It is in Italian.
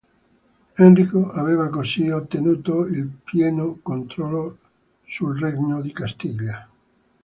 Enrico aveva così ottenuto il pieno controllo sul regno di Castiglia.